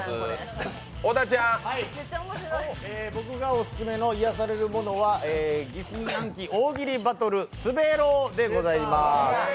僕がオススメの癒やされるものは疑心暗鬼大喜利バトル「滑狼」でございます。